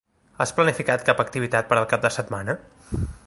Has planificat cap activitat per al cap de setmana?